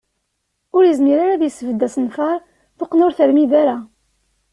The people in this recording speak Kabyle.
Ur yezmir ara ad isbedd asenfaṛ, tuqqna ur termid ara.